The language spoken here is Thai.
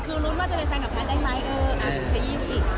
ขึ้นรู้มาจะเป็นแฟนกับพัทย์ได้ไหมเออขยินอีก